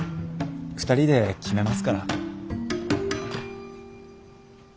２人で決めますから。